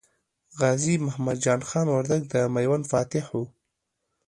غازي محمد جان خان وردګ د میوند فاتح و.